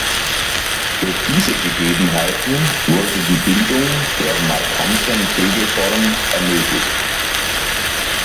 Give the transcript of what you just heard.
Durch diese Gegebenheiten wurde die Bildung der markanten Kegelform ermöglicht.